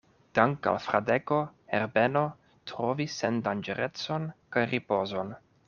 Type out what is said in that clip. Dank' al Fradeko, Herbeno trovis sendanĝerecon kaj ripozon.